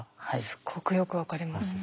すごくよく分かります。